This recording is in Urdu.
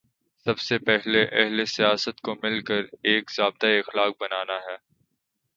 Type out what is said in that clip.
سب سے پہلے اہل سیاست کو مل کر ایک ضابطۂ اخلاق بنانا ہے۔